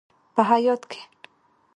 په هیات کې: